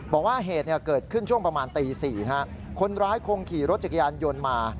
บอกว่าเหตุเกิดขึ้นช่วงประมาณตี๔คนร้ายคงขี่รถจักรยานยนต์มา